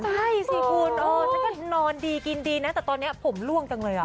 ใช่สิคุณนอนดีกินดีนะแต่ตอนนี้ผมร่วงจังเลย